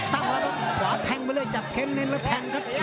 ตั้งแล้วครับขวาแทงไปเลยจับเข้มเน้นแล้วแทงครับ